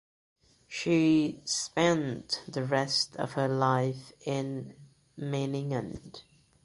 She spent the rest of her life in Meiningen.